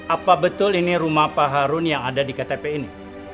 apa betul ini rumah pak harun yang ada di ktp ini